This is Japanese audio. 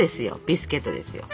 ビスケットですよ。